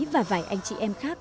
và vài anh chị em khác